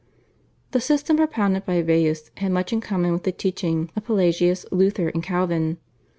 The system propounded by Baius had much in common with the teaching of Pelagius, Luther, and Calvin.